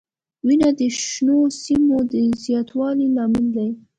• ونه د شنو سیمو د زیاتوالي لامل دی.